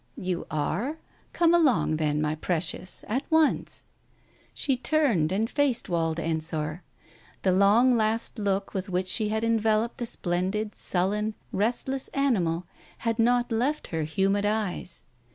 "You are? Come along then, my precious — a.t once." She turned and faced Wald Ensor. The long last look with which she had enveloped the splendid, sullen, restless animal had not left her humid eyes.